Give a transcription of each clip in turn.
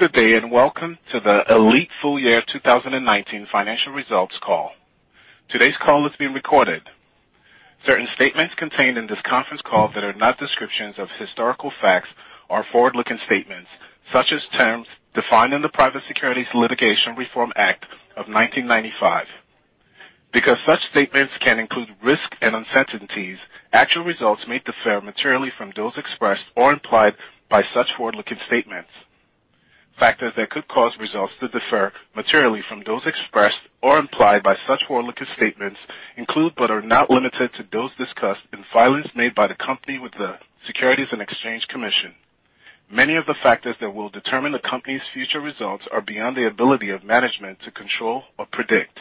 Good day, welcome to the ALLETE full year 2019 financial results call. Today's call is being recorded. Certain statements contained in this conference call that are not descriptions of historical facts or forward-looking statements such as terms defined in the Private Securities Litigation Reform Act of 1995. Such statements can include risks and uncertainties, actual results may differ materially from those expressed or implied by such forward-looking statements. Factors that could cause results to differ materially from those expressed or implied by such forward-looking statements include but are not limited to those discussed in filings made by the company with the Securities and Exchange Commission. Many of the factors that will determine the company's future results are beyond the ability of management to control or predict.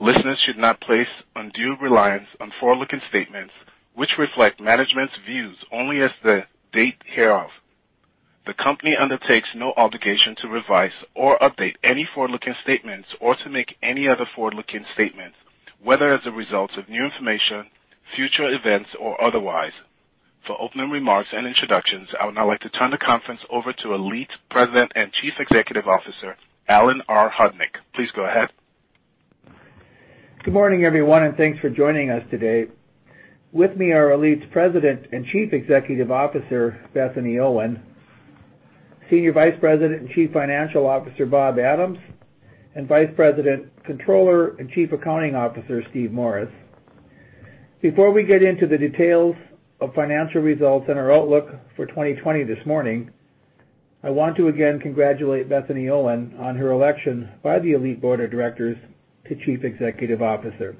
Listeners should not place undue reliance on forward-looking statements, which reflect management's views only as the date hereof. The company undertakes no obligation to revise or update any forward-looking statements or to make any other forward-looking statements, whether as a result of new information, future events, or otherwise. For opening remarks and introductions, I would now like to turn the conference over to ALLETE President and Chief Executive Officer, Alan R. Hodnik. Please go ahead. Good morning, everyone, and thanks for joining us today. With me are ALLETE's President and Chief Executive Officer, Bethany Owen; Senior Vice President and Chief Financial Officer, Bob Adams; and Vice President, Controller, and Chief Accounting Officer, Steve Morris. Before we get into the details of financial results and our outlook for 2020 this morning, I want to again congratulate Bethany Owen on her election by the ALLETE board of directors to Chief Executive Officer.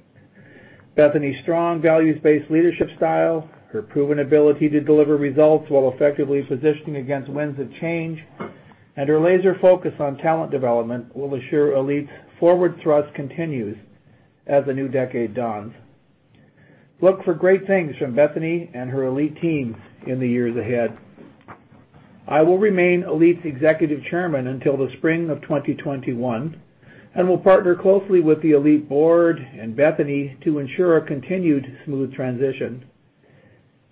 Bethany's strong values-based leadership style, her proven ability to deliver results while effectively positioning against winds of change, and her laser focus on talent development will assure ALLETE's forward thrust continues as the new decade dawns. Look for great things from Bethany and her ALLETE teams in the years ahead. I will remain ALLETE's Executive Chairman until the spring of 2021 and will partner closely with the ALLETE board and Bethany to ensure a continued smooth transition.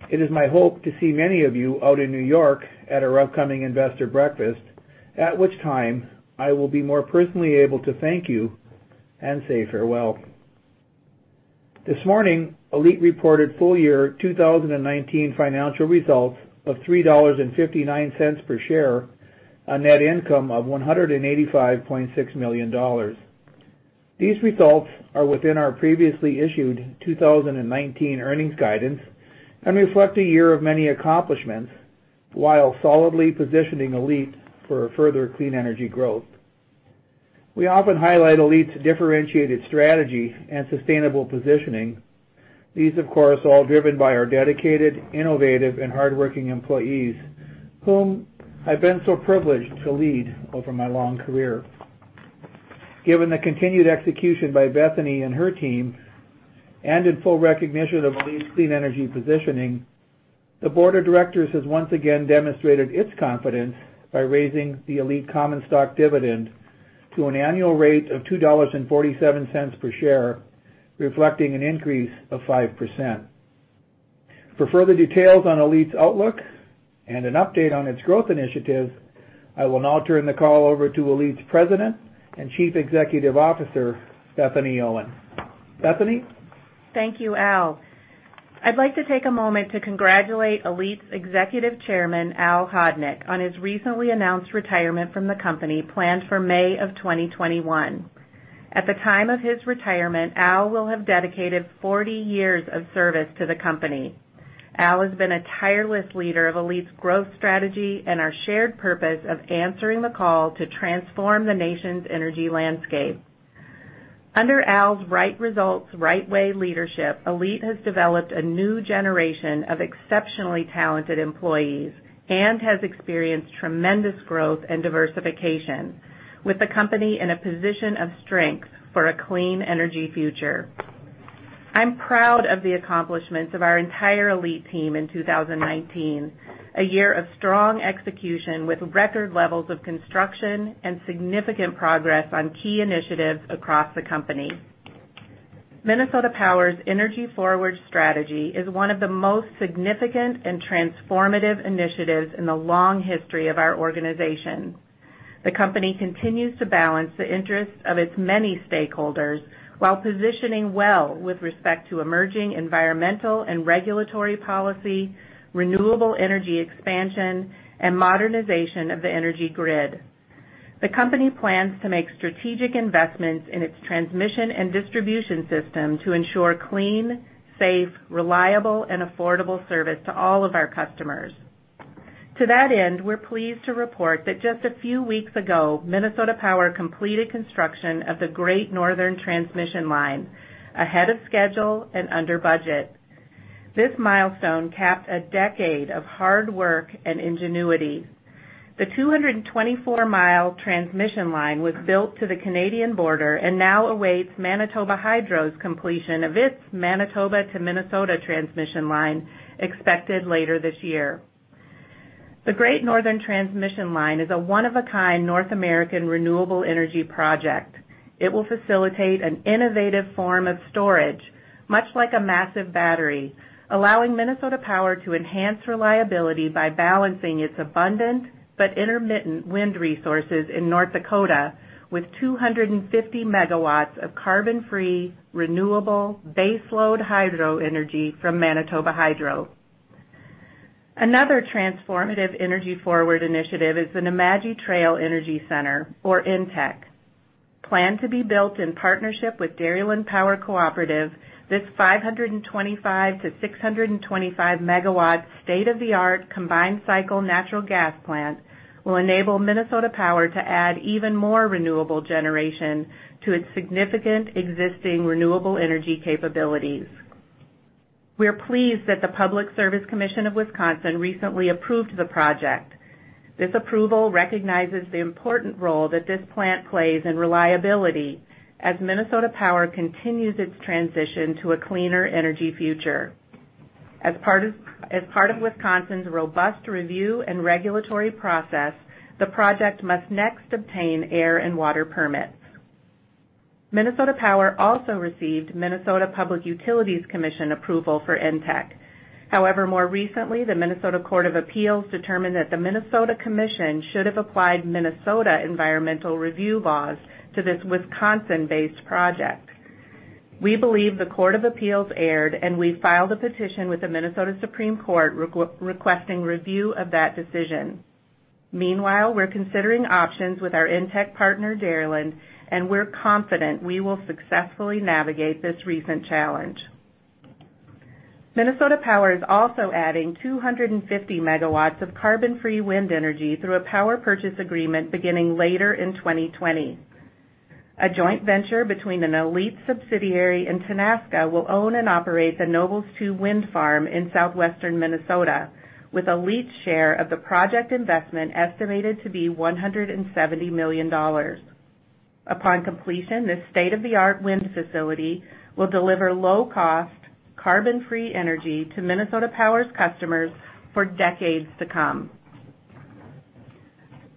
It is my hope to see many of you out in New York at our upcoming investor breakfast, at which time I will be more personally able to thank you and say farewell. This morning, ALLETE reported full-year 2019 financial results of $3.59 per share on net income of $185.6 million. These results are within our previously issued 2019 earnings guidance and reflect a year of many accomplishments while solidly positioning ALLETE for further clean energy growth. We often highlight ALLETE's differentiated strategy and sustainable positioning. These, of course, all driven by our dedicated, innovative, and hardworking employees, whom I've been so privileged to lead over my long career. Given the continued execution by Bethany and her team and in full recognition of ALLETE's clean energy positioning, the board of directors has once again demonstrated its confidence by raising the ALLETE common stock dividend to an annual rate of $2.47 per share, reflecting an increase of 5%. For further details on ALLETE's outlook and an update on its growth initiatives, I will now turn the call over to ALLETE's President and Chief Executive Officer, Bethany Owen. Bethany? Thank you, Al. I'd like to take a moment to congratulate ALLETE's Executive Chairman, Al Hodnik, on his recently announced retirement from the company planned for May of 2021. At the time of his retirement, Al will have dedicated 40 years of service to the company. Al has been a tireless leader of ALLETE's growth strategy and our shared purpose of answering the call to transform the nation's energy landscape. Under Al's Right Results Right Way leadership, ALLETE has developed a new generation of exceptionally talented employees and has experienced tremendous growth and diversification, with the company in a position of strength for a clean energy future. I'm proud of the accomplishments of our entire ALLETE team in 2019, a year of strong execution with record levels of construction and significant progress on key initiatives across the company. Minnesota Power's EnergyForward strategy is one of the most significant and transformative initiatives in the long history of our organization. The company continues to balance the interests of its many stakeholders while positioning well with respect to emerging environmental and regulatory policy, renewable energy expansion, and modernization of the energy grid. The company plans to make strategic investments in its transmission and distribution system to ensure clean, safe, reliable, and affordable service to all of our customers. To that end, we're pleased to report that just a few weeks ago, Minnesota Power completed construction of the Great Northern Transmission Line ahead of schedule and under budget. This milestone capped a decade of hard work and ingenuity. The 224-mile transmission line was built to the Canadian border and now awaits Manitoba Hydro's completion of its Manitoba to Minnesota transmission line expected later this year. The Great Northern Transmission Line is a one-of-a-kind North American renewable energy project. It will facilitate an innovative form of storage, much like a massive battery, allowing Minnesota Power to enhance reliability by balancing its abundant but intermittent wind resources in North Dakota with 250 MW of carbon-free, renewable baseload hydro energy from Manitoba Hydro. Another transformative EnergyForward initiative is the Nemadji Trail Energy Center, or NTEC. Planned to be built in partnership with Dairyland Power Cooperative, this 525-625 MW state-of-the-art combined cycle natural gas plant will enable Minnesota Power to add even more renewable generation to its significant existing renewable energy capabilities. We are pleased that the Public Service Commission of Wisconsin recently approved the project. This approval recognizes the important role that this plant plays in reliability as Minnesota Power continues its transition to a cleaner energy future. As part of Wisconsin's robust review and regulatory process, the project must next obtain air and water permits. Minnesota Power also received Minnesota Public Utilities Commission approval for NTEC. However, more recently, the Minnesota Court of Appeals determined that the Minnesota Commission should have applied Minnesota environmental review laws to this Wisconsin-based project. We believe the Court of Appeals erred, and we filed a petition with the Minnesota Supreme Court requesting review of that decision. Meanwhile, we're considering options with our NTEC partner, Dairyland, and we're confident we will successfully navigate this recent challenge. Minnesota Power is also adding 250 MW of carbon-free wind energy through a power purchase agreement beginning later in 2020. A joint venture between an ALLETE subsidiary and Tenaska will own and operate the Nobles 2 Wind Farm in southwestern Minnesota, with ALLETE's share of the project investment estimated to be $170 million. Upon completion, this state-of-the-art wind facility will deliver low-cost, carbon-free energy to Minnesota Power's customers for decades to come.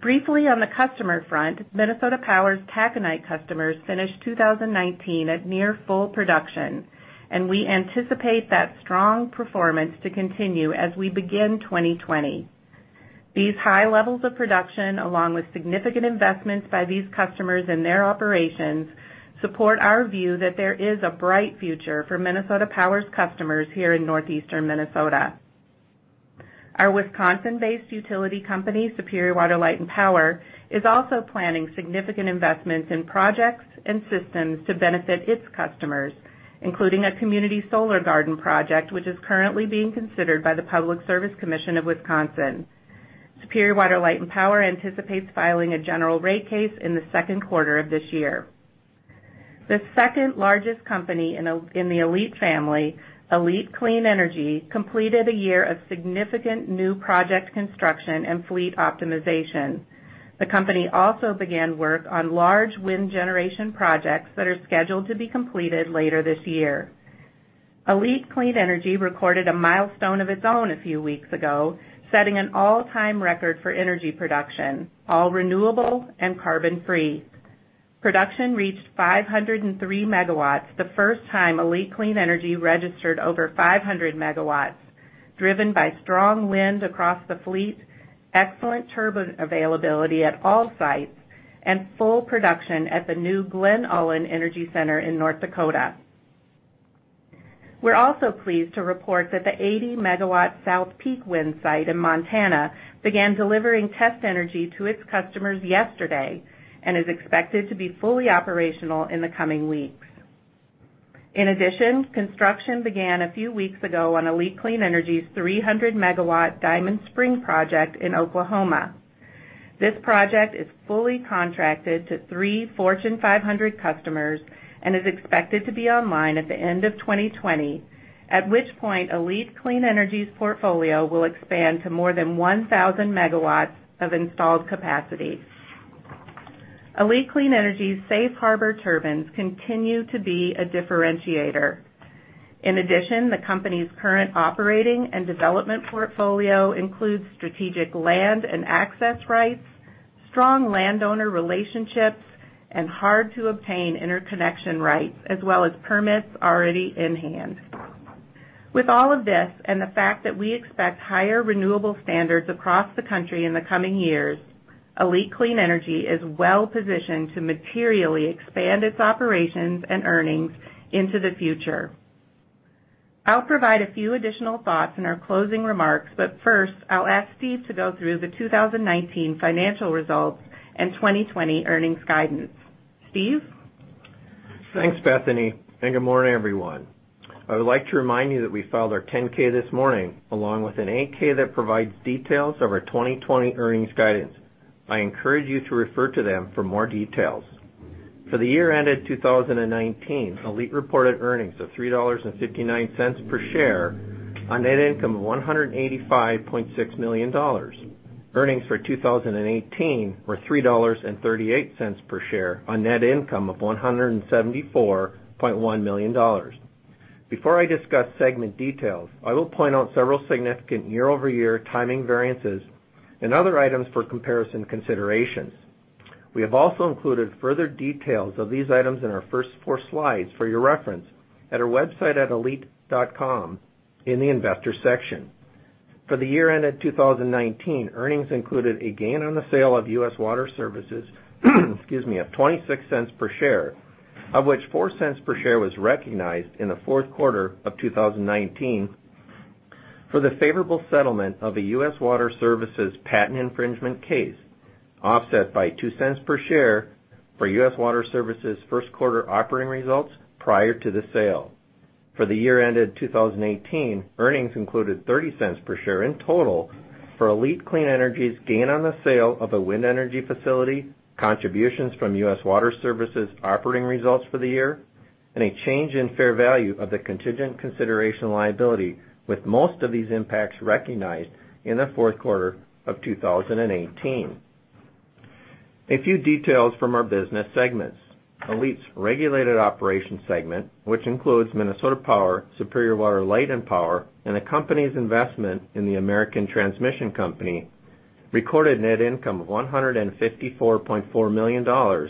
Briefly on the customer front, Minnesota Power's taconite customers finished 2019 at near full production, and we anticipate that strong performance to continue as we begin 2020. These high levels of production, along with significant investments by these customers in their operations, support our view that there is a bright future for Minnesota Power's customers here in northeastern Minnesota. Our Wisconsin-based utility company, Superior Water, Light & Power, is also planning significant investments in projects and systems to benefit its customers, including a community solar garden project, which is currently being considered by the Public Service Commission of Wisconsin. Superior Water, Light & Power anticipates filing a general rate case in the second quarter of this year. The second-largest company in the ALLETE family, ALLETE Clean Energy, completed a year of significant new project construction and fleet optimization. The company also began work on large wind generation projects that are scheduled to be completed later this year. ALLETE Clean Energy recorded a milestone of its own a few weeks ago, setting an all-time record for energy production, all renewable and carbon-free. Production reached 503 MW, the first time ALLETE Clean Energy registered over 500 MW, driven by strong wind across the fleet, excellent turbine availability at all sites, and full production at the new Glen Ullin Energy Center in North Dakota. We're also pleased to report that the 80-MW South Peak Wind site in Montana began delivering test energy to its customers yesterday and is expected to be fully operational in the coming weeks. Construction began a few weeks ago on ALLETE Clean Energy's 300-MW Diamond Spring project in Oklahoma. This project is fully contracted to 3 Fortune 500 customers and is expected to be online at the end of 2020, at which point ALLETE Clean Energy's portfolio will expand to more than 1,000 MW of installed capacity. ALLETE Clean Energy's safe harbor turbines continue to be a differentiator. The company's current operating and development portfolio includes strategic land and access rights, strong landowner relationships, and hard-to-obtain interconnection rights, as well as permits already in hand. With all of this and the fact that we expect higher renewable standards across the country in the coming years, ALLETE Clean Energy is well-positioned to materially expand its operations and earnings into the future. I'll provide a few additional thoughts in our closing remarks, but first, I'll ask Steve to go through the 2019 financial results and 2020 earnings guidance. Steve? Thanks, Bethany, and good morning, everyone. I would like to remind you that we filed our 10-K this morning, along with an 8-K that provides details of our 2020 earnings guidance. I encourage you to refer to them for more details. For the year ended 2019, ALLETE reported earnings of $3.59 per share on net income of $185.6 million. Earnings for 2018 were $3.38 per share on net income of $174.1 million. Before I discuss segment details, I will point out several significant year-over-year timing variances and other items for comparison considerations. We have also included further details of these items in our first four slides for your reference at our website at allete.com in the Investors section. For the year ended 2019, earnings included a gain on the sale of U.S. Water Services, of $0.26 per share, of which $0.04 per share was recognized in the fourth quarter of 2019 for the favorable settlement of a U.S. Water Services patent infringement case, offset by $0.02 per share for U.S. Water Services' first quarter operating results prior to the sale. For the year ended 2018, earnings included $0.30 per share in total for ALLETE Clean Energy's gain on the sale of a wind energy facility, contributions from U.S. Water Services operating results for the year, and a change in fair value of the contingent consideration liability, with most of these impacts recognized in the fourth quarter of 2018. A few details from our business segments. ALLETE's Regulated Operations segment, which includes Minnesota Power, Superior Water, Light & Power, and the company's investment in the American Transmission Company, recorded net income of $154.4 million,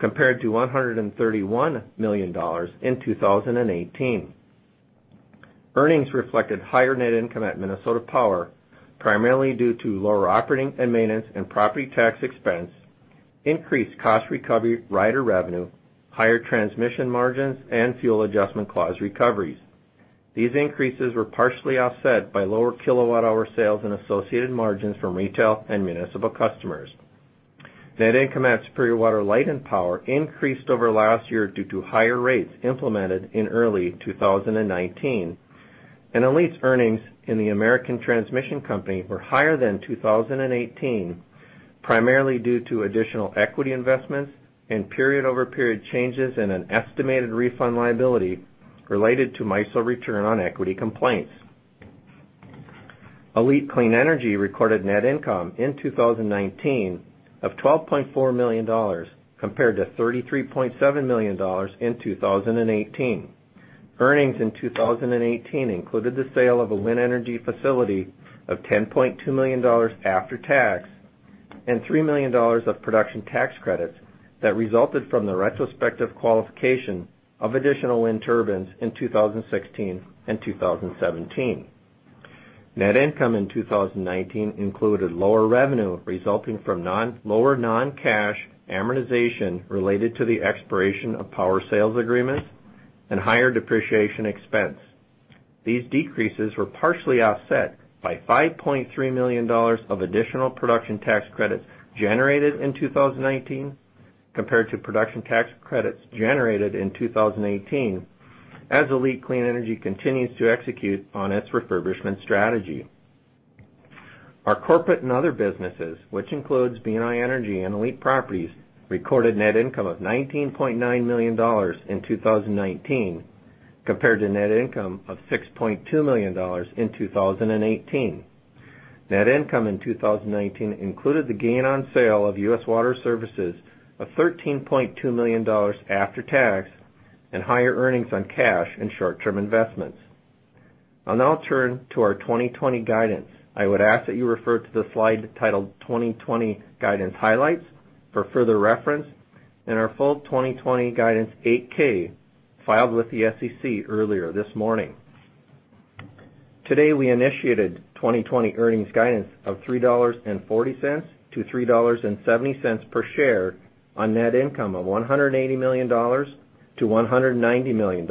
compared to $131 million in 2018. Earnings reflected higher net income at Minnesota Power, primarily due to lower operating and maintenance and property tax expense, increased cost recovery rider revenue, higher transmission margins, and fuel adjustment clause recoveries. These increases were partially offset by lower kilowatt-hour sales and associated margins from retail and municipal customers. Net income at Superior Water, Light & Power increased over last year due to higher rates implemented in early 2019. ALLETE's earnings in the American Transmission Company were higher than 2018, primarily due to additional equity investments and period-over-period changes in an estimated refund liability related to MISO return on equity complaints. ALLETE Clean Energy recorded net income in 2019 of $12.4 million, compared to $33.7 million in 2018. Earnings in 2018 included the sale of a wind energy facility of $10.2 million after tax and $3 million of production tax credits that resulted from the retrospective qualification of additional wind turbines in 2016 and 2017. Net income in 2019 included lower revenue resulting from lower non-cash amortization related to the expiration of power sales agreements and higher depreciation expense. These decreases were partially offset by $5.3 million of additional production tax credits generated in 2019 compared to production tax credits generated in 2018, as ALLETE Clean Energy continues to execute on its refurbishment strategy. Our Corporate and Other businesses, which includes BNI Energy and ALLETE Properties, recorded net income of $19.9 million in 2019, compared to net income of $6.2 million in 2018. Net income in 2019 included the gain on sale of U.S. Water Services of $13.2 million after tax and higher earnings on cash and short-term investments. I'll now turn to our 2020 guidance. I would ask that you refer to the slide titled "2020 Guidance Highlights" for further reference and our full 2020 guidance 8-K filed with the SEC earlier this morning. Today, we initiated 2020 earnings guidance of $3.40-$3.70 per share on net income of $180 million-$190 million.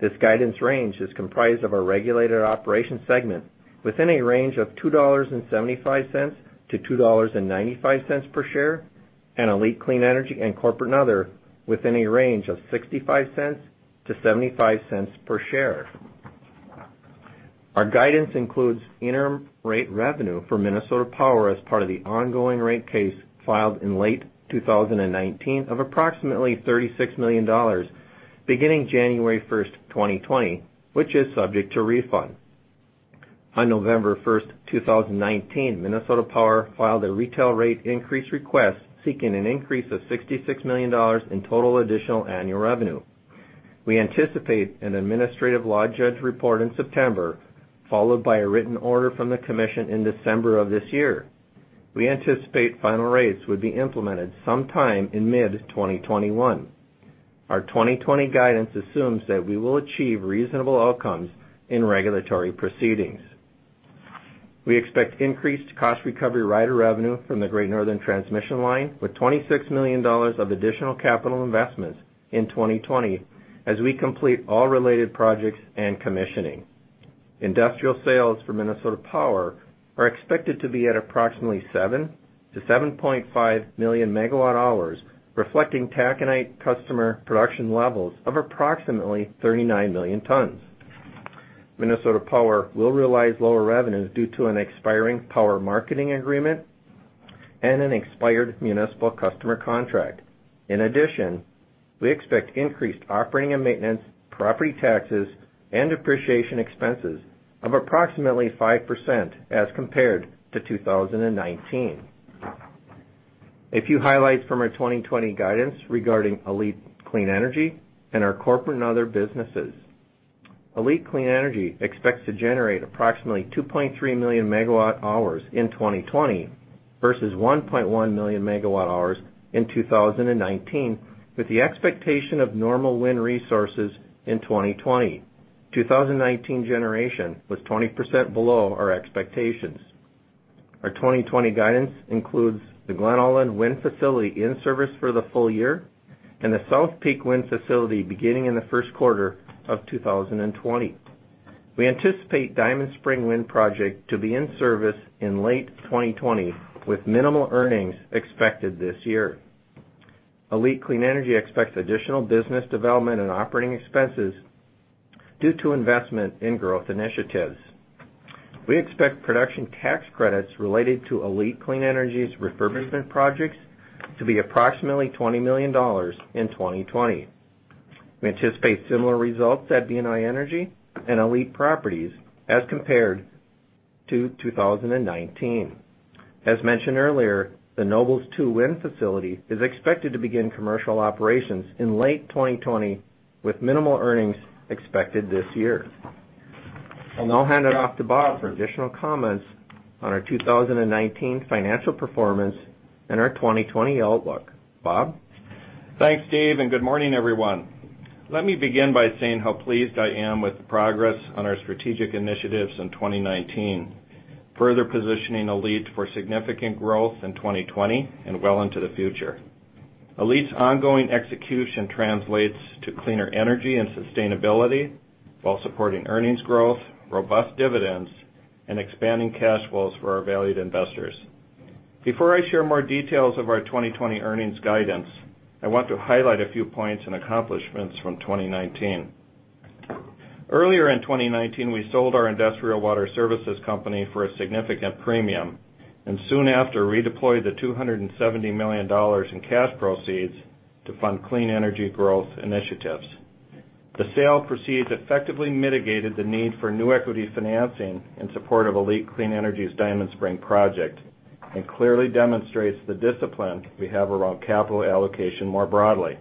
This guidance range is comprised of our Regulated Operations segment within a range of $2.75-$2.95 per share, and ALLETE Clean Energy and Corporate and Other within a range of $0.65-$0.75 per share. Our guidance includes interim rate revenue for Minnesota Power as part of the ongoing rate case filed in late 2019 of approximately $36 million beginning January 1st, 2020, which is subject to refund. On November 1st, 2019, Minnesota Power filed a retail rate increase request seeking an increase of $66 million in total additional annual revenue. We anticipate an administrative law judge report in September, followed by a written order from the commission in December of this year. We anticipate final rates would be implemented sometime in mid-2021. Our 2020 guidance assumes that we will achieve reasonable outcomes in regulatory proceedings. We expect increased cost recovery rider revenue from the Great Northern Transmission Line, with $26 million of additional capital investments in 2020 as we complete all related projects and commissioning. Industrial sales for Minnesota Power are expected to be at approximately 7 million to 7.5 million MWh, reflecting taconite customer production levels of approximately 39 million tons. Minnesota Power will realize lower revenues due to an expiring power marketing agreement and an expired municipal customer contract. In addition, we expect increased operating and maintenance, property taxes, and depreciation expenses of approximately 5% as compared to 2019. A few highlights from our 2020 guidance regarding ALLETE Clean Energy and our Corporate and Other businesses. ALLETE Clean Energy expects to generate approximately 2.3 million MWh in 2020 versus 1.1 million MWh in 2019, with the expectation of normal wind resources in 2020. 2019 generation was 20% below our expectations. Our 2020 guidance includes the Glen Ullin Wind facility in service for the full year and the South Peak Wind facility beginning in the first quarter of 2020. We anticipate Diamond Spring Wind project to be in service in late 2020, with minimal earnings expected this year. ALLETE Clean Energy expects additional business development and operating expenses due to investment in growth initiatives. We expect production tax credits related to ALLETE Clean Energy's refurbishment projects to be approximately $20 million in 2020. We anticipate similar results at BNI Energy and ALLETE Properties as compared to 2019. As mentioned earlier, the Nobles 2 Wind facility is expected to begin commercial operations in late 2020, with minimal earnings expected this year. I'll now hand it off to Bob for additional comments on our 2019 financial performance and our 2020 outlook. Bob? Thanks, Steve. Good morning, everyone. Let me begin by saying how pleased I am with the progress on our strategic initiatives in 2019, further positioning ALLETE for significant growth in 2020 and well into the future. ALLETE's ongoing execution translates to cleaner energy and sustainability while supporting earnings growth, robust dividends, and expanding cash flows for our valued investors. Before I share more details of our 2020 earnings guidance, I want to highlight a few points and accomplishments from 2019. Earlier in 2019, we sold our U.S. Water Services for a significant premium, and soon after, redeployed the $270 million in cash proceeds to fund clean energy growth initiatives. The sale proceeds effectively mitigated the need for new equity financing in support of ALLETE Clean Energy's Diamond Spring project and clearly demonstrates the discipline we have around capital allocation more broadly.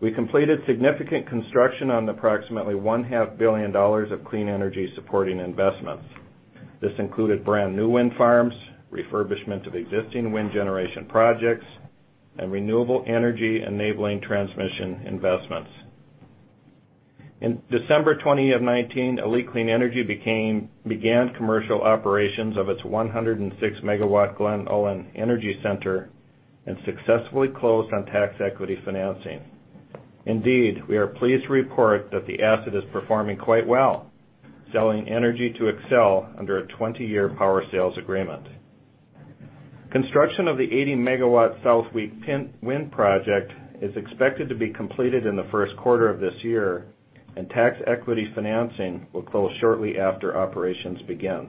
We completed significant construction on approximately $1.5 billion of clean energy-supporting investments. This included brand-new wind farms, refurbishment of existing wind generation projects, and renewable energy-enabling transmission investments. In December 20, 2019, ALLETE Clean Energy began commercial operations of its 106-MW Glen Ullin Energy Center and successfully closed on tax equity financing. Indeed, we are pleased to report that the asset is performing quite well, selling energy to Xcel Energy under a 20-year power sales agreement. Construction of the 80-MW South Peak Wind project is expected to be completed in the first quarter of this year, and tax equity financing will close shortly after operations begin.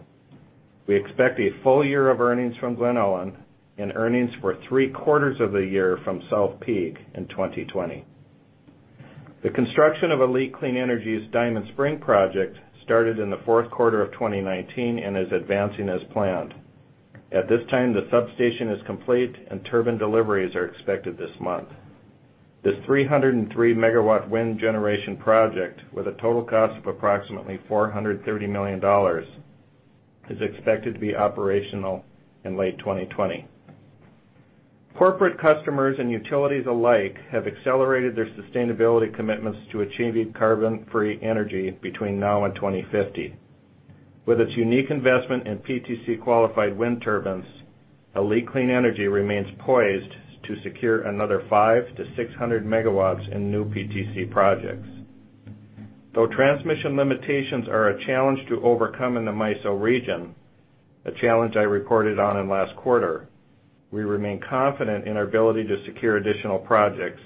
We expect a full year of earnings from Glen Ullin and earnings for three quarters of the year from South Peak in 2020. The construction of ALLETE Clean Energy's Diamond Spring project started in the fourth quarter of 2019 and is advancing as planned. At this time, the substation is complete, and turbine deliveries are expected this month. This 303-MW wind generation project, with a total cost of approximately $430 million, is expected to be operational in late 2020. Corporate customers and utilities alike have accelerated their sustainability commitments to achieving carbon-free energy between now and 2050. With its unique investment in PTC-qualified wind turbines, ALLETE Clean Energy remains poised to secure another 500-600 MW in new PTC projects. Though transmission limitations are a challenge to overcome in the MISO region, a challenge I reported on in the last quarter, we remain confident in our ability to secure additional projects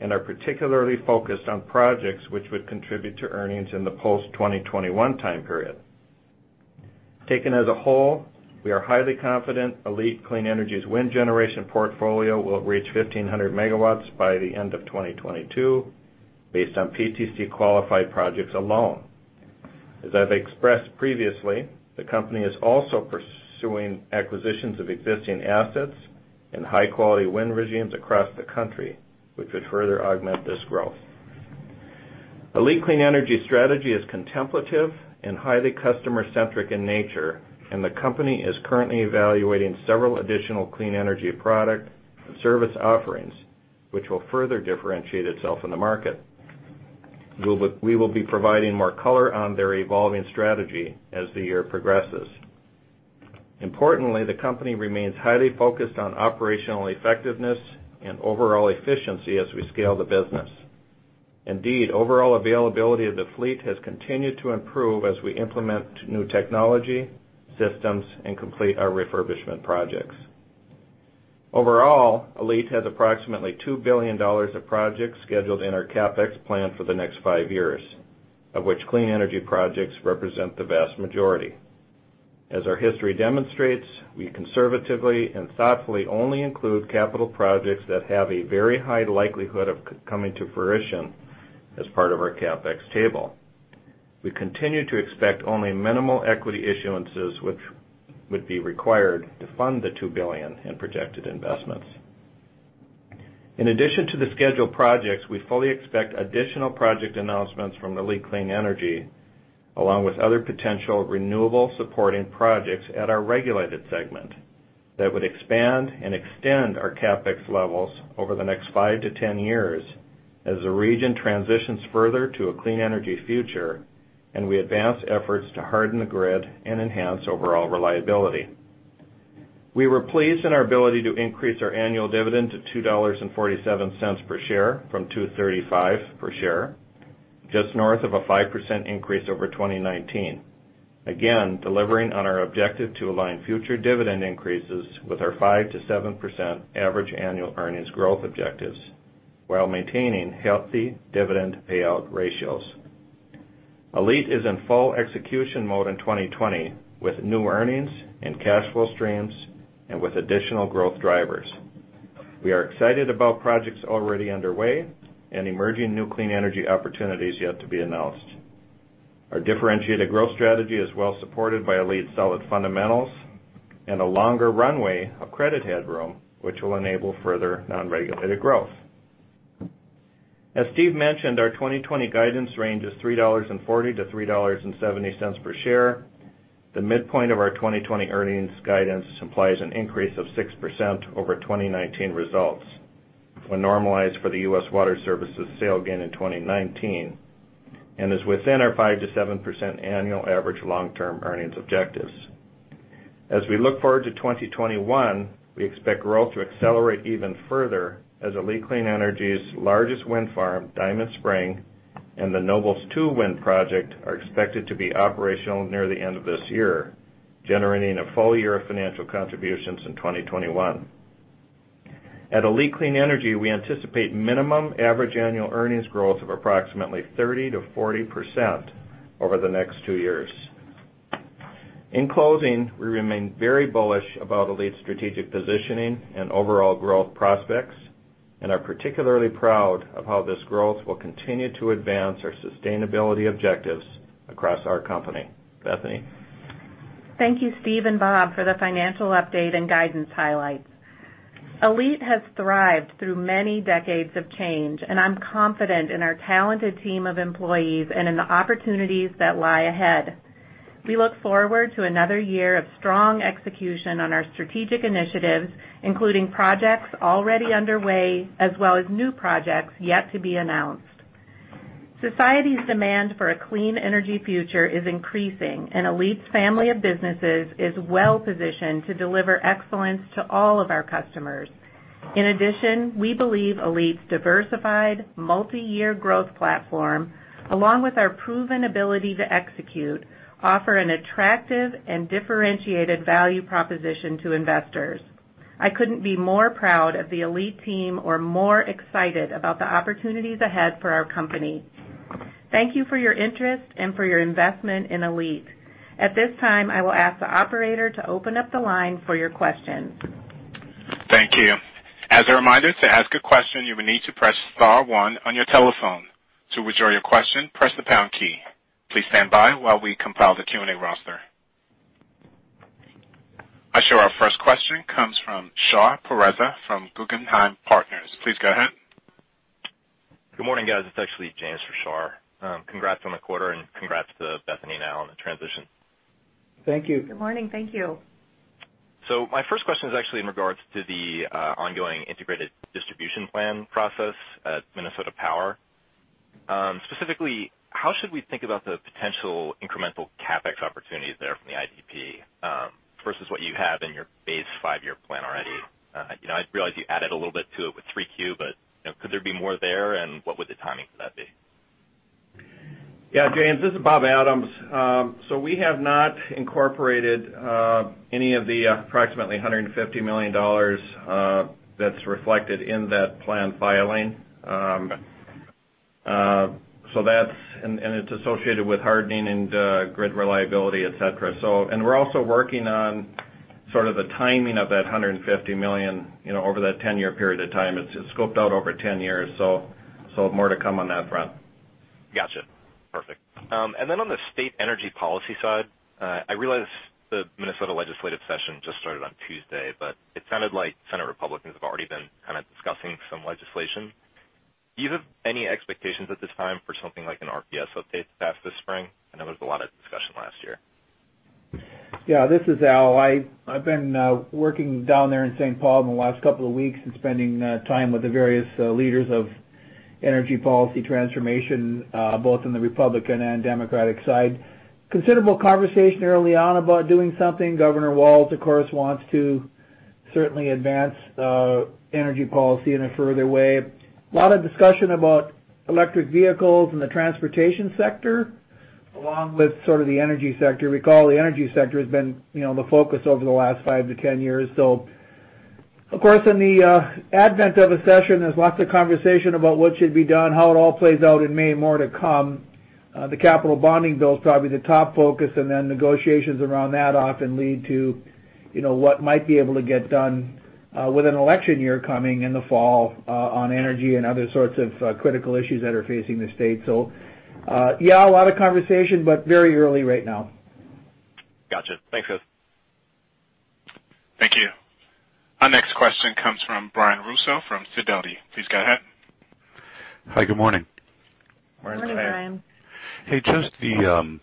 and are particularly focused on projects that would contribute to earnings in the post-2021 time period. Taken as a whole, we are highly confident ALLETE Clean Energy's wind generation portfolio will reach 1,500 MW by the end of 2022 based on PTC-qualified projects alone. As I've expressed previously, the company is also pursuing acquisitions of existing assets in high-quality wind regimes across the country, which would further augment this growth. ALLETE Clean Energy's strategy is contemplative and highly customer-centric in nature, and the company is currently evaluating several additional clean energy product and service offerings, which will further differentiate itself in the market. We will be providing more color on their evolving strategy as the year progresses. Importantly, the company remains highly focused on operational effectiveness and overall efficiency as we scale the business. Indeed, overall availability of the fleet has continued to improve as we implement new technology, systems, and complete our refurbishment projects. Overall, ALLETE has approximately $2 billion of projects scheduled in our CapEx plan for the next five years, of which clean energy projects represent the vast majority. As our history demonstrates, we conservatively and thoughtfully only include capital projects that have a very high likelihood of coming to fruition as part of our CapEx table. We continue to expect only minimal equity issuances, which would be required to fund the $2 billion in projected investments. In addition to the scheduled projects, we fully expect additional project announcements from ALLETE Clean Energy, along with other potential renewable supporting projects at our regulated segment that would expand and extend our CapEx levels over the next five to 10 years as the region transitions further to a clean energy future and we advance efforts to harden the grid and enhance overall reliability. We were pleased in our ability to increase our annual dividend to $2.47 per share from $2.35 per share, just north of a 5% increase over 2019. Again, delivering on our objective to align future dividend increases with our 5%-7% average annual earnings growth objectives while maintaining healthy dividend payout ratios. ALLETE is in full execution mode in 2020 with new earnings and cash flow streams and with additional growth drivers. We are excited about projects already underway and emerging new clean energy opportunities yet to be announced. Our differentiated growth strategy is well supported by ALLETE's solid fundamentals and a longer runway of credit headroom, which will enable further non-regulated growth. As Steve mentioned, our 2020 guidance range is $3.40-$3.70 per share. The midpoint of our 2020 earnings guidance implies an increase of 6% over 2019 results when normalized for the U.S. Water Services sale gain in 2019 and is within our 5%-7% annual average long-term earnings objectives. As we look forward to 2021, we expect growth to accelerate even further as ALLETE Clean Energy's largest wind farm, Diamond Spring, and the Nobles 2 Wind Farm are expected to be operational near the end of this year, generating a full year of financial contributions in 2021. At ALLETE Clean Energy, we anticipate minimum average annual earnings growth of approximately 30%-40% over the next two years. In closing, we remain very bullish about ALLETE's strategic positioning and overall growth prospects and are particularly proud of how this growth will continue to advance our sustainability objectives across our company. Bethany. Thank you, Steve and Bob, for the financial update and guidance highlights. ALLETE has thrived through many decades of change, and I'm confident in our talented team of employees and in the opportunities that lie ahead. We look forward to another year of strong execution on our strategic initiatives, including projects already underway, as well as new projects yet to be announced. Society's demand for a clean energy future is increasing, and ALLETE's family of businesses is well-positioned to deliver excellence to all of our customers. In addition, we believe ALLETE's diversified, multi-year growth platform, along with our proven ability to execute, offer an attractive and differentiated value proposition to investors. I couldn't be more proud of the ALLETE team or more excited about the opportunities ahead for our company. Thank you for your interest and for your investment in ALLETE. At this time, I will ask the operator to open up the line for your questions. Thank you. As a reminder, to ask a question, you will need to press star one on your telephone. To withdraw your question, press the pound key. Please stand by while we compile the Q&A roster. I show our first question comes from Shah Pourreza from Guggenheim Partners. Please go ahead. Good morning, guys. It's actually James for Shah. Congrats on the quarter and congrats to Bethany now on the transition. Thank you. Good morning. Thank you. My first question is actually in regards to the ongoing Integrated Distribution Plan process at Minnesota Power. Specifically, how should we think about the potential incremental CapEx opportunities there from the IDP versus what you have in your base five-year plan already? I realize you added a little bit to it with 3Q, could there be more there? What would the timing for that be? Yeah, James, this is Bob Adams. We have not incorporated any of the approximately $150 million that's reflected in that plan filing. It's associated with hardening and grid reliability, et cetera. We're also working on sort of the timing of that $150 million over that 10-year period of time. It's scoped out over 10 years. More to come on that front. Got you. Perfect. On the state energy policy side, I realize the Minnesota legislative session just started on Tuesday, but it sounded like Senate Republicans have already been kind of discussing some legislation. Do you have any expectations at this time for something like an RPS update to pass this spring? I know there was a lot of discussion last year. Yeah, this is Al. I've been working down there in St. Paul in the last couple of weeks and spending time with the various leaders of energy policy transformation, both in the Republican and Democratic side. Considerable conversation early on about doing something. Tim Walz, of course, wants to certainly advance energy policy in a further way. A lot of discussion about electric vehicles in the transportation sector, along with sort of the energy sector. Recall, the energy sector has been the focus over the last five to 10 years. Of course, in the advent of a session, there's lots of conversation about what should be done, how it all plays out in May, more to come. The capital bonding bill is probably the top focus, and then negotiations around that often lead to what might be able to get done with an election year coming in the fall on energy and other sorts of critical issues that are facing the state. Yeah, a lot of conversation, but very early right now. Gotcha. Thanks, guys. Thank you. Our next question comes from Brian Russo from Sidoti. Please go ahead. Hi, good morning. Morning. Morning, Brian. Hey, just the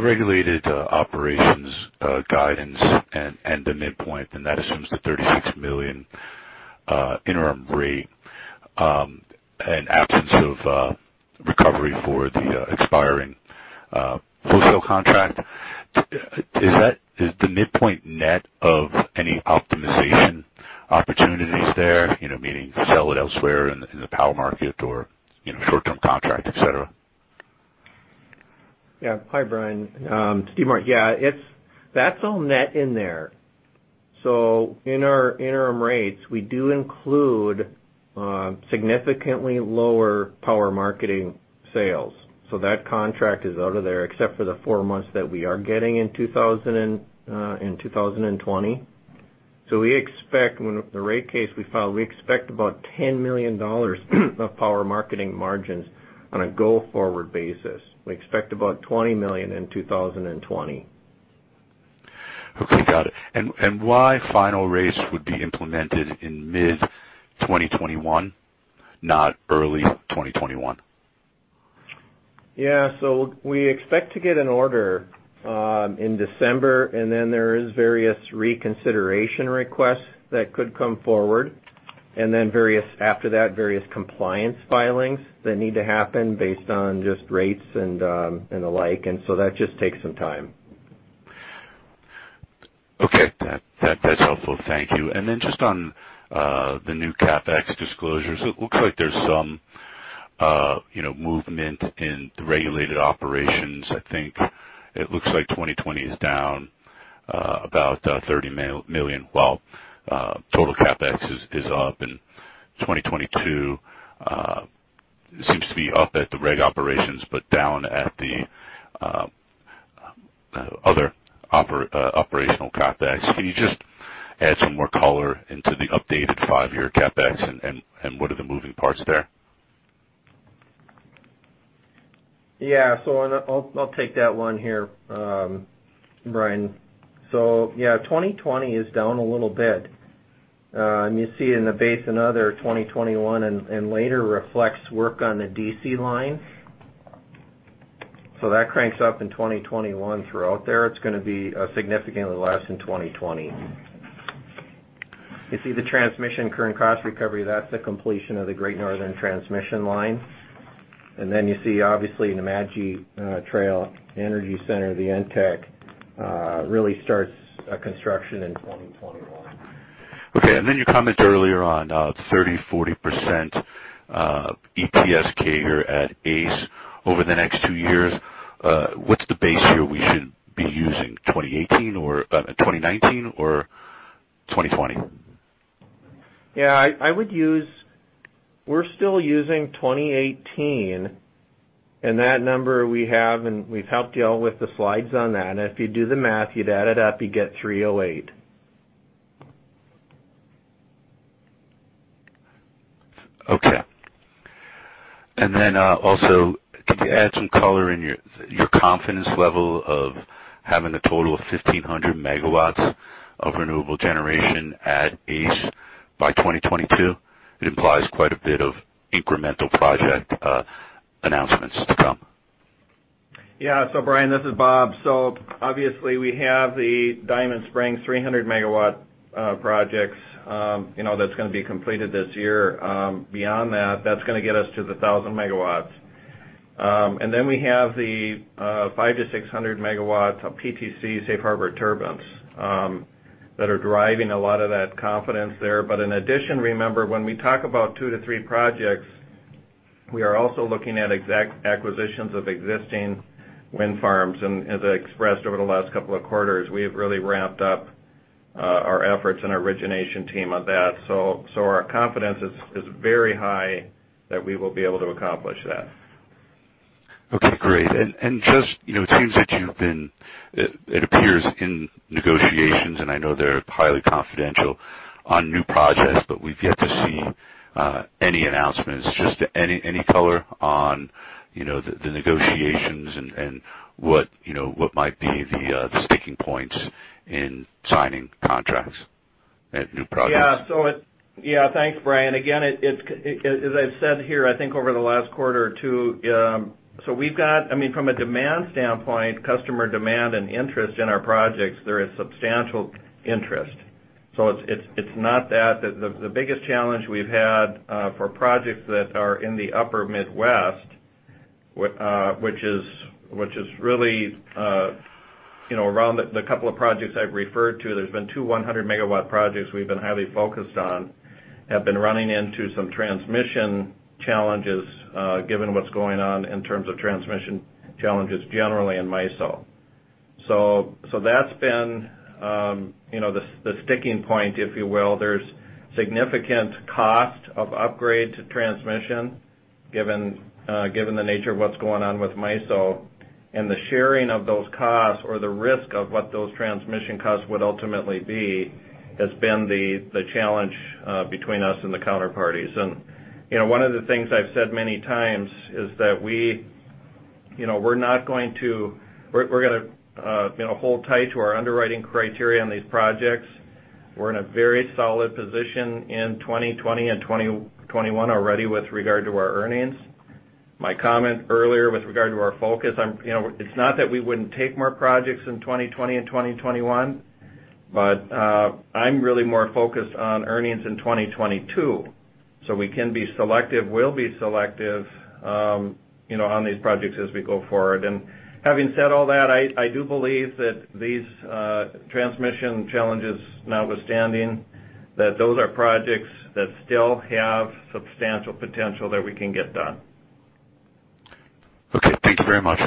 regulated operations guidance and the midpoint, and that assumes the $36 million interim rate, and absence of recovery for the expiring wholesale contract. Is the midpoint net of any optimization opportunities there, meaning sell it elsewhere in the power market or short-term contract, et cetera? Yeah. Hi, Brian. Steve Morris. Yeah, that's all net in there. In our interim rates, we do include significantly lower power marketing sales. That contract is out of there except for the four months that we are getting in 2020. The rate case we filed, we expect about $10 million of power marketing margins on a go-forward basis. We expect about $20 million in 2020. Okay. Got it. Why final rates would be implemented in mid-2021, not early 2021? Yeah. We expect to get an order in December. There is various reconsideration requests that could come forward. After that, various compliance filings that need to happen based on just rates and the like. That just takes some time. Okay. That's helpful. Thank you. Just on the new CapEx disclosures, it looks like there's some movement in the regulated operations. I think it looks like 2020 is down about $30 million, while total CapEx is up in 2022. It seems to be up at the reg operations but down at the other operational CapEx. Can you just add some more color into the updated five-year CapEx, and what are the moving parts there? Yeah. I'll take that one here, Brian. Yeah, 2020 is down a little bit. You see in the base and other 2021 and later reflects work on the DC line. That cranks up in 2021 throughout there. It's going to be significantly less in 2020. You see the transmission current cost recovery, that's the completion of the Great Northern Transmission Line. Then you see, obviously, Nemadji Trail Energy Center, the NTEC, really starts construction in 2021. Okay, you commented earlier on 30%, 40% EPS growth here at ACE over the next two years. What's the base year we should be using, 2019 or 2020? Yeah, we're still using 2018. That number we have, and we've helped you all with the slides on that. If you do the math, you'd add it up, you get 308. Okay. Also, could you add some color in your confidence level of having a total of 1,500 MW of renewable generation at ACE by 2022? It implies quite a bit of incremental project announcements to come. Yeah. Brian, this is Bob. Obviously, we have the Diamond Spring 300-MW projects that's going to be completed this year. Beyond that's going to get us to the 1,000 MW. We have the 500-600 MW of PTC Safe Harbor turbines that are driving a lot of that confidence there. In addition, remember, when we talk about two to three projects, we are also looking at acquisitions of existing wind farms. As I expressed over the last couple of quarters, we have really ramped up our efforts and our origination team on that. Our confidence is very high that we will be able to accomplish that. Okay, great. It appears in negotiations, and I know they're highly confidential on new projects, but we've yet to see any announcements. Just any color on the negotiations and what might be the sticking points in signing contracts at new projects? Thanks, Brian. Again, as I've said here, I think over the last quarter or two, from a demand standpoint, customer demand and interest in our projects, there is substantial interest. It's not that. The biggest challenge we've had for projects that are in the upper Midwest, which is really around the couple of projects I've referred to. There's been two 100-MW projects we've been highly focused on, have been running into some transmission challenges, given what's going on in terms of transmission challenges generally in MISO. That's been the sticking point, if you will. There's significant cost of upgrade to transmission, given the nature of what's going on with MISO. The sharing of those costs or the risk of what those transmission costs would ultimately be, has been the challenge between us and the counterparties. One of the things I've said many times is that we're going to hold tight to our underwriting criteria on these projects. We're in a very solid position in 2020 and 2021 already with regard to our earnings. My comment earlier with regard to our focus, it's not that we wouldn't take more projects in 2020 and 2021, I'm really more focused on earnings in 2022 so we can be selective, we'll be selective on these projects as we go forward. Having said all that, I do believe that these transmission challenges notwithstanding, that those are projects that still have substantial potential that we can get done. Okay, thank you very much.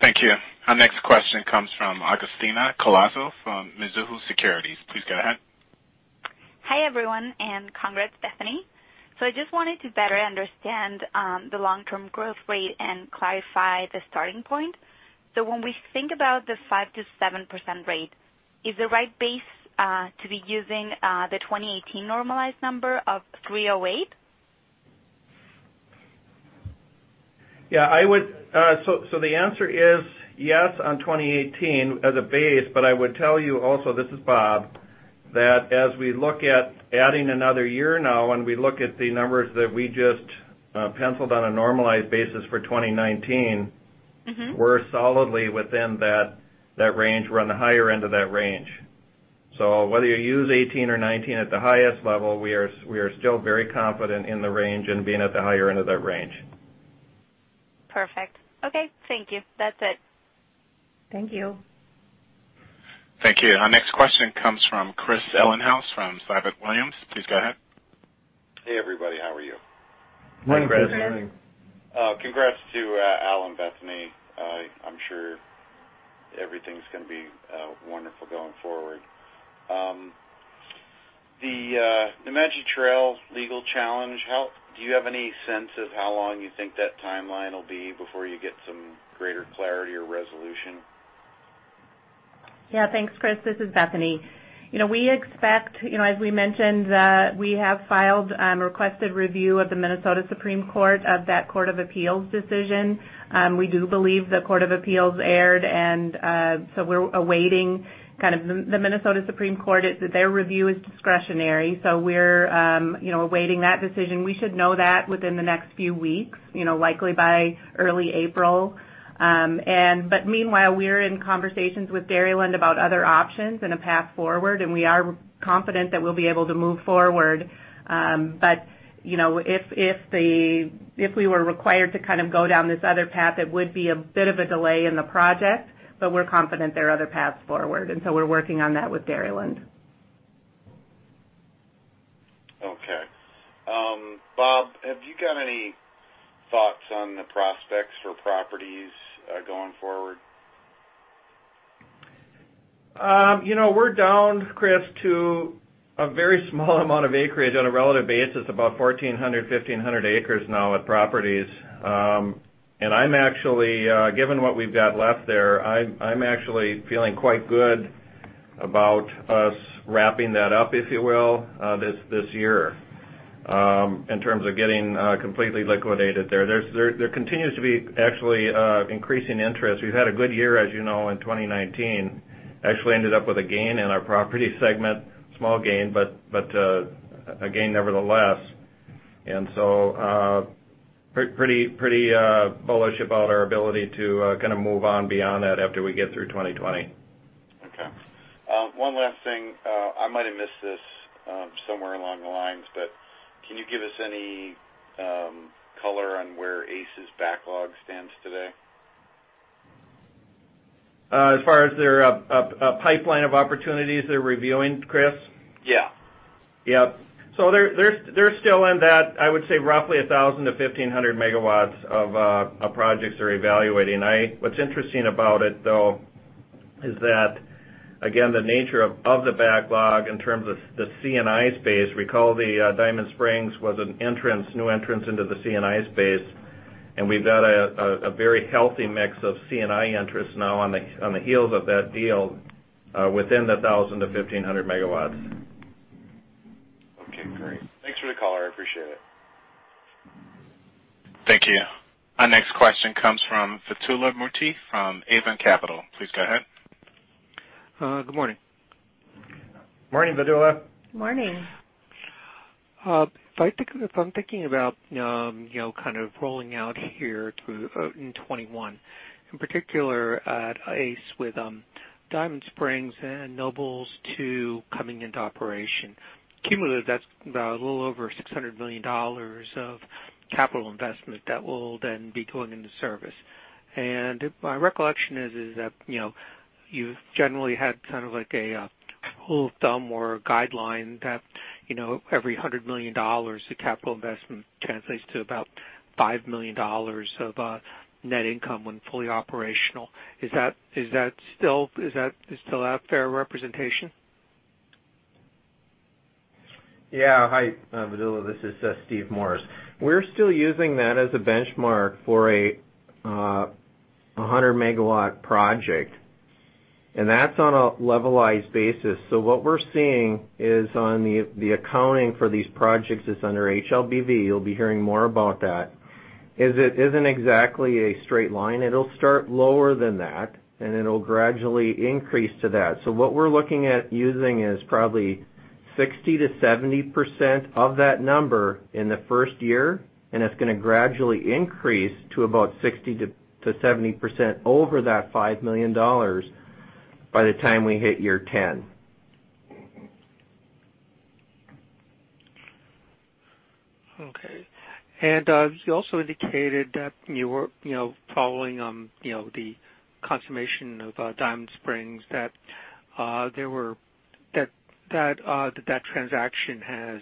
Thank you. Our next question comes from Augustine [Kolato] from Mizuho Securities. Please go ahead. Hi, everyone, congrats, Bethany. I just wanted to better understand the long-term growth rate and clarify the starting point. When we think about the 5%-7% rate, is the right base to be using the 2018 normalized number of 308? The answer is yes on 2018 as a base. I would tell you also, this is Bob, that as we look at adding another year now, and we look at the numbers that we just penciled on a normalized basis for 2019. we're solidly within that range. We're on the higher end of that range. Whether you use 2018 or 2019 at the highest level, we are still very confident in the range and being at the higher end of that range. Perfect. Okay, thank you. That's it. Thank you. Our next question comes from Chris Ellinghaus from Siebert Williams. Please go ahead. Hey, everybody. How are you? Morning. Congrats to Al and Bethany. I'm sure everything's going to be wonderful going forward. The Nemadji Trail legal challenge, do you have any sense of how long you think that timeline will be before you get some greater clarity or resolution? Yeah. Thanks, Chris. This is Bethany. We expect, as we mentioned, we have filed and requested review of the Minnesota Supreme Court of that Court of Appeals decision. We do believe the Court of Appeals erred, and so we're awaiting kind of the Minnesota Supreme Court. Their review is discretionary, so we're awaiting that decision. We should know that within the next few weeks, likely by early April. Meanwhile, we're in conversations with Dairyland about other options and a path forward, and we are confident that we'll be able to move forward. If we were required to go down this other path, it would be a bit of a delay in the project, but we're confident there are other paths forward, and so we're working on that with Dairyland. Okay. Bob, have you got any thoughts on the prospects for Properties going forward? We're down, Chris, to a very small amount of acreage on a relative basis, about 1,400, 1,500 acres now at Properties. Given what we've got left there, I'm actually feeling quite good about us wrapping that up, if you will, this year in terms of getting completely liquidated there. There continues to be actually increasing interest. We've had a good year, as you know, in 2019. Actually ended up with a gain in our Property segment, small gain, but a gain nevertheless. Pretty bullish about our ability to kind of move on beyond that after we get through 2020. Okay. One last thing. I might have missed this somewhere along the lines, but can you give us any color on where ACE's backlog stands today? As far as their pipeline of opportunities they're reviewing, Chris? Yeah. Yep. They're still in that, I would say, roughly 1,000-1,500 MW of projects they're evaluating. What's interesting about it, though, is that, again, the nature of the backlog in terms of the C&I space, recall the Diamond Spring was a new entrance into the C&I space, and we've got a very healthy mix of C&I interest now on the heels of that deal within the 1,000-1,500 MW. Okay, great. Thanks for the color. I appreciate it. Thank you. Our next question comes from Vidula Murti from Hudson Capital. Please go ahead. Good morning. Morning, Vidula. Morning. If I'm thinking about kind of rolling out here through in 2021, in particular at ACE with Diamond Spring and Nobles 2 coming into operation. Cumulatively, that's a little over $600 million of capital investment that will then be going into service. My recollection is that you've generally had kind of like a rule of thumb or a guideline that every $100 million of capital investment translates to about $5 million of net income when fully operational. Is still a fair representation? Yeah. Hi, Vidula. This is Steve Morris. We're still using that as a benchmark for a 100-MW project. That's on a levelized basis. What we're seeing is on the accounting for these projects is under HLBV. You'll be hearing more about that. It isn't exactly a straight line. It'll start lower than that, and it'll gradually increase to that. What we're looking at using is probably 60%-70% of that number in the first year, and it's going to gradually increase to about 60%-70% over that $5 million by the time we hit year 10. Okay. You also indicated that you were following the consummation of Diamond Spring, that that transaction has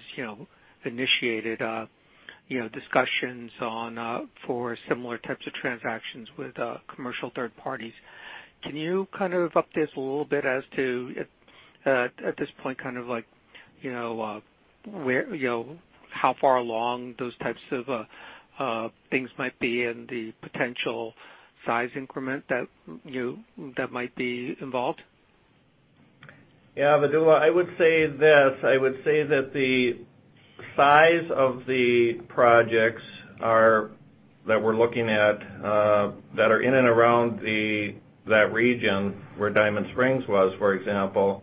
initiated discussions for similar types of transactions with commercial third parties. Can you kind of update us a little bit as to, at this point, how far along those types of things might be and the potential size increment that might be involved? Yeah, Vidula, I would say that the size of the projects that we're looking at that are in and around that region where Diamond Spring was, for example,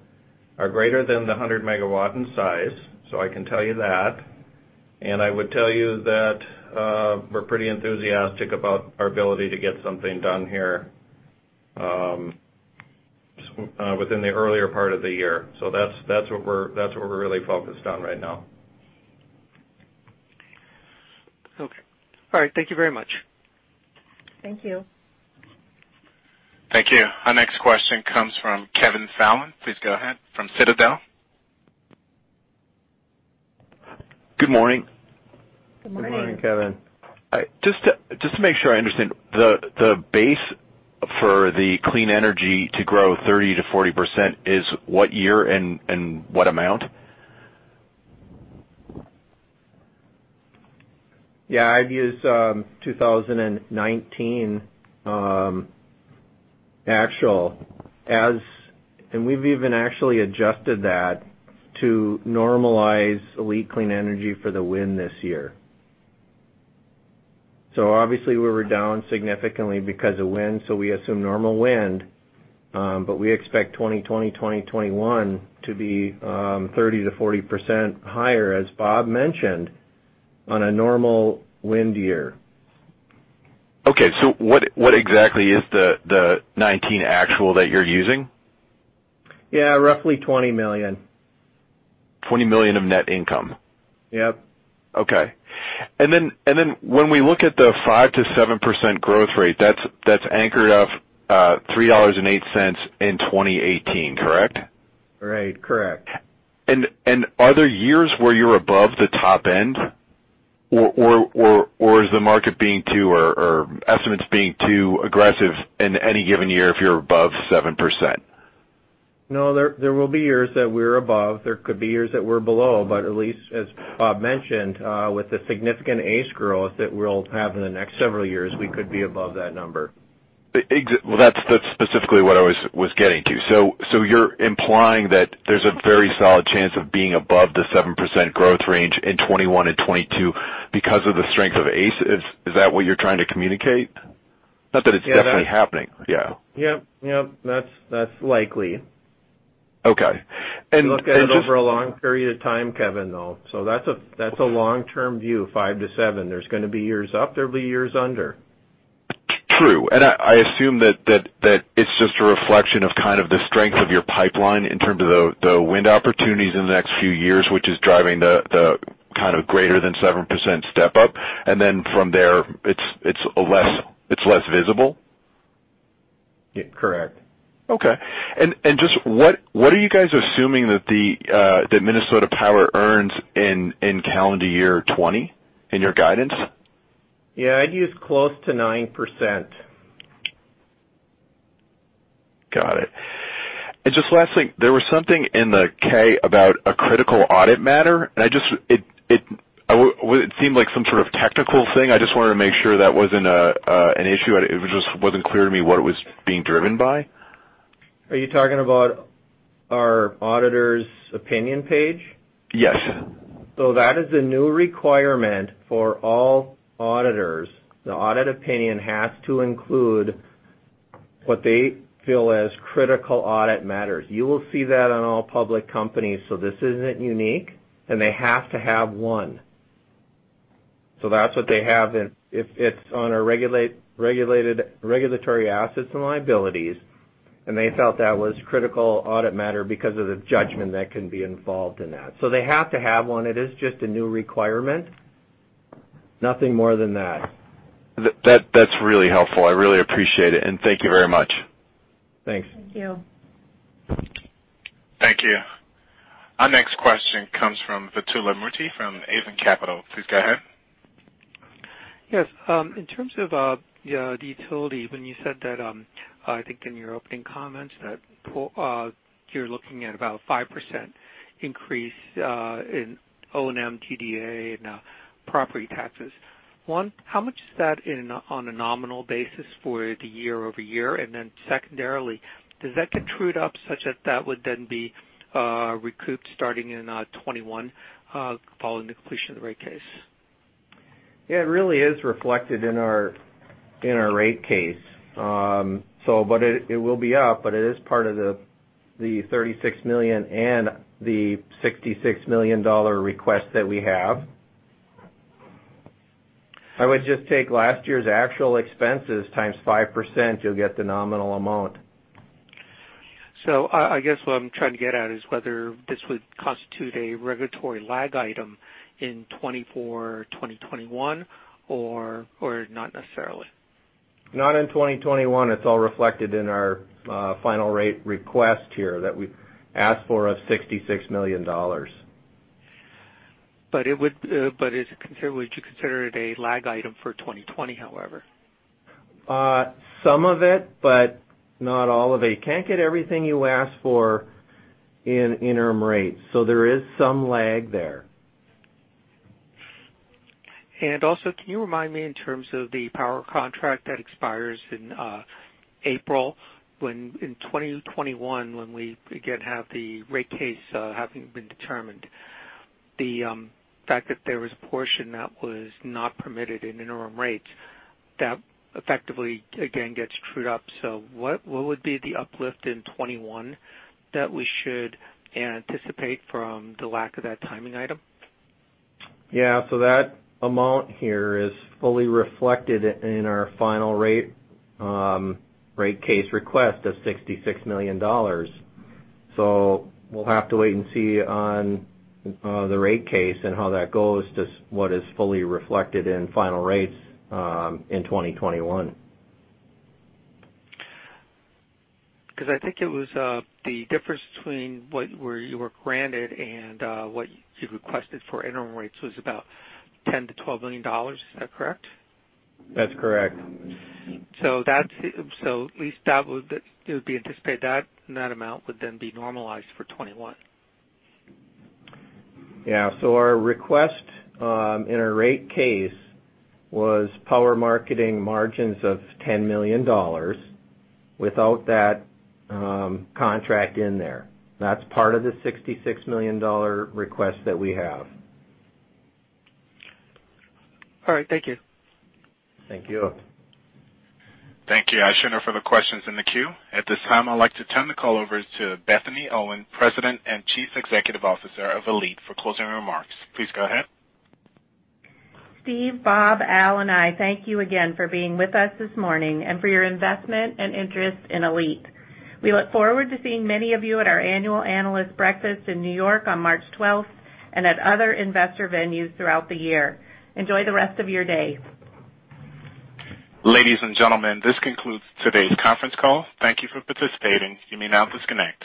are greater than the 100 MW in size. I can tell you that. I would tell you that we're pretty enthusiastic about our ability to get something done here within the earlier part of the year. That's what we're really focused on right now. Okay. All right. Thank you very much. Thank you. Thank you. Our next question comes from Kevin Fallon. Please go ahead, from Citadel. Good morning. Good morning. Good morning, Kevin. All right. Just to make sure I understand, the base for the clean energy to grow 30%-40% is what year and what amount? Yeah, I'd use 2019 actual. We've even actually adjusted that to normalize ALLETE Clean Energy for the wind this year. Obviously we were down significantly because of wind, so we assume normal wind. We expect 2020, 2021 to be 30%-40% higher, as Bob mentioned, on a normal wind year. Okay. What exactly is the 2019 actual that you're using? Yeah, roughly $20 million. $20 million of net income. Yep. Okay. Then, when we look at the 5%-7% growth rate, that's anchored off $3.08 in 2018, correct? Right. Correct. Are there years where you're above the top end? Or is the market being too, or estimates being too aggressive in any given year if you're above 7%? No, there will be years that we're above, there could be years that we're below. At least, as Bob mentioned, with the significant ACE growth that we'll have in the next several years, we could be above that number. Well, that's specifically what I was getting to. You're implying that there's a very solid chance of being above the 7% growth range in 2021 and 2022 because of the strength of ACE. Is that what you're trying to communicate? Not that it's definitely happening. Yep. That's likely. Okay. You look at it over a long period of time, Kevin, though. That's a long-term view, five to seven. There's going to be years up, there will be years under. True. I assume that it's just a reflection of kind of the strength of your pipeline in terms of the wind opportunities in the next few years, which is driving the kind of greater than 7% step up. From there, it's less visible? Correct. Okay. Just what are you guys assuming that Minnesota Power earns in calendar year 2020 in your guidance? Yeah, I'd use close to 9%. Got it. Just last thing, there was something in the K about a critical audit matter. It seemed like some sort of technical thing. I just wanted to make sure that wasn't an issue. It just wasn't clear to me what it was being driven by. Are you talking about our auditor's opinion page? Yes. That is a new requirement for all auditors. The audit opinion has to include what they feel as critical audit matters. You will see that on all public companies. This isn't unique, and they have to have one. That's what they have. It's on our regulatory assets and liabilities, and they felt that was critical audit matter because of the judgment that can be involved in that. They have to have one. It is just a new requirement, nothing more than that. That's really helpful. I really appreciate it. Thank you very much. Thanks. Thank you. Thank you. Our next question comes from Vidula Murti from Hudson Capital. Please go ahead. Yes. In terms of the utility, when you said that, I think in your opening comments, that you're looking at about 5% increase in O&M, TDA, and property taxes. One, how much is that on a nominal basis for the year-over-year? Secondarily, does that get trued up such that that would then be recouped starting in 2021, following the completion of the rate case? Yeah, it really is reflected in our rate case. It will be up, but it is part of the $36 million and the $66 million request that we have. I would just take last year's actual expenses times 5%, you'll get the nominal amount. I guess what I'm trying to get at is whether this would constitute a regulatory lag item in 2020 or 2021, or not necessarily? Not in 2021. It's all reflected in our final rate request here, that we asked for a $66 million. Would you consider it a lag item for 2020, however? Some of it, but not all of it. You can't get everything you ask for in interim rates. There is some lag there. Can you remind me in terms of the power contract that expires in April, when in 2021, when we again have the rate case having been determined, the fact that there was a portion that was not permitted in interim rates, that effectively, again gets trued up? What would be the uplift in 2021 that we should anticipate from the lack of that timing item? Yeah. That amount here is fully reflected in our final rate case request of $66 million. We'll have to wait and see on the rate case and how that goes to what is fully reflected in final rates in 2021. I think it was the difference between what you were granted and what you requested for interim rates was about $10 million-$12 million. Is that correct? That's correct. At least it would be anticipated that that amount would then be normalized for 2021. Yeah. Our request in our rate case was power marketing margins of $10 million without that contract in there. That's part of the $66 million request that we have. All right. Thank you. Thank you Thank you. I show no further questions in the queue. At this time, I'd like to turn the call over to Bethany Owen, President and Chief Executive Officer of ALLETE, for closing remarks. Please go ahead. Steve, Bob, Al, and I thank you again for being with us this morning and for your investment and interest in ALLETE. We look forward to seeing many of you at our annual analyst breakfast in New York on March 12th and at other investor venues throughout the year. Enjoy the rest of your day. Ladies and gentlemen, this concludes today's conference call. Thank you for participating. You may now disconnect.